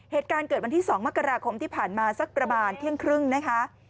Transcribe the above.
เหตุการณ์เกิดวันที่๒มกราคมที่ผ่านมาสักประมาณเที่ยงครึ่งนะคะ